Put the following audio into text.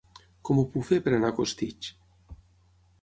Com ho puc fer per anar a Costitx?